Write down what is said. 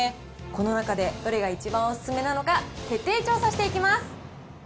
この中でどれが一番お勧めなのか、徹底調査していきます。